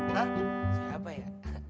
hah siapa ya